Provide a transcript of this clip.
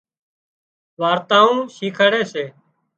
وارتائون شيکاڙي سي